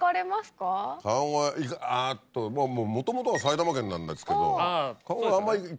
あっともともとは埼玉県なんですけど。